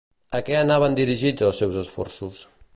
A què anaven dirigits els seus esforços?